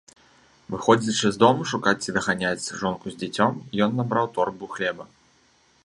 Выходзячы з дому шукаць ці даганяць жонку з дзіцем, ён набраў торбу хлеба.